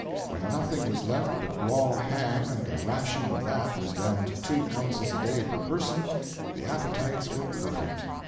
When nothing was left but raw ham and the ration of that was down to two ounces a day per person, the appetites were perfect.